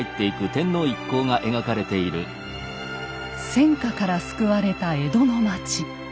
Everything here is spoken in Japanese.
戦火から救われた江戸の町。